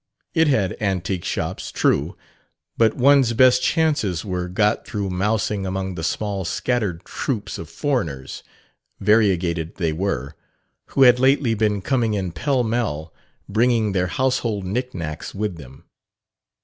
It had "antique shops," true; but one's best chances were got through mousing among the small scattered troups of foreigners (variegated they were) who had lately been coming in pell mell, bringing their household knick knacks with them.